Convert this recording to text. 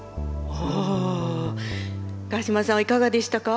高島さんはいかがでしたか？